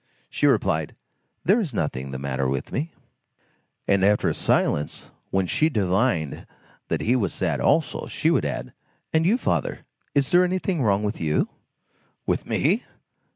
She replied: "There is nothing the matter with me." And after a silence, when she divined that he was sad also, she would add:— "And you, father—is there anything wrong with you?" "With me?